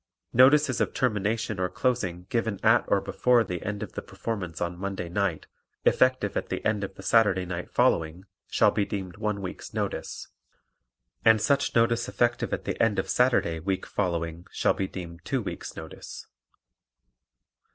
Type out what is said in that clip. Notices of termination or closing given at or before the end of the performance on Monday night, effective at the end of the Saturday night following, shall be deemed one week's notice; and such notice effective at the end of Saturday week following shall be deemed two weeks' notice.